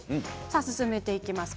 進めていきます。